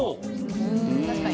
確かに。